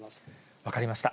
分かりました。